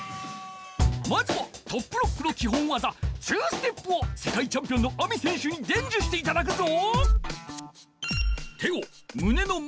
まずはトップロックのきほんわざ２ステップをせかいチャンピオンのＡＭＩ選手にでんじゅしていただくぞ！